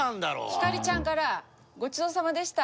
ひかりちゃんから「ごちそうさまでした。